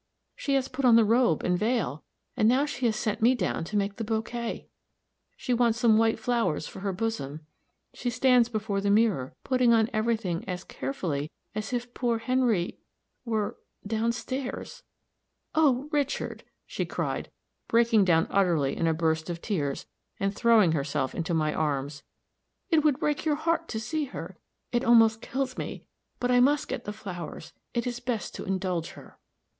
She has put on the robe and vail; and now she has sent me down to make the bouquet. She wants some white flowers for her bosom. She stands before the mirror, putting on everything as carefully as if poor Henry were down stairs. Oh, Richard," she cried, breaking down utterly in a burst of tears, and throwing herself into my arms, "it would break your heart to see her! It almost kills me, but I must get the flowers. It is best to indulge her."